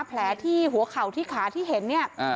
แผลที่หัวเข่าที่ขาที่เห็นเนี่ย